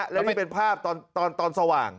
แล้วนี่เป็นภาพตอนสว่าง